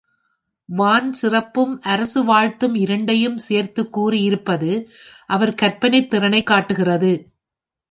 வான் சிறப்பும் அரசு வாழ்த்தும் இரண்டையும் சேர்த்துக் கூறி இருப்பது அவர் கற்பனைத் திறனைக் காட்டுகிறது.